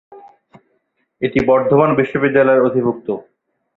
এটি বর্ধমান বিশ্ববিদ্যালয়ের অধিভুক্ত।